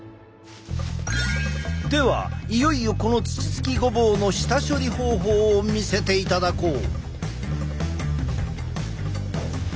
ではいよいよこの土つきごぼうの下処理方法を見せていただこう！